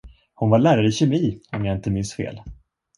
Hon var lärare i kemi, om jag inte minns fel.